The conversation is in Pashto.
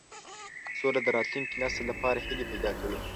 سوله د راتلونکي نسل لپاره هیلې پیدا کوي.